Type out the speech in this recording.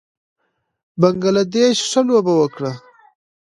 بنګله دېش ښه لوبه وکړه